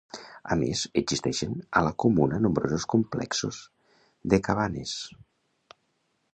A més, existixen a la comuna nombrosos complexos de cabanes.